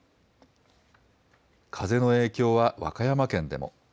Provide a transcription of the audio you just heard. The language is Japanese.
風の影響は和歌山県でも。